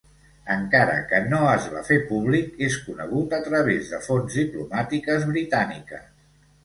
Encara que no es va fer públic, és conegut a través de fonts diplomàtiques britàniques.